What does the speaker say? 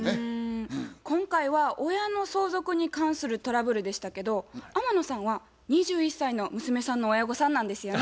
今回は親の相続に関するトラブルでしたけど天野さんは２１歳の娘さんの親御さんなんですよね？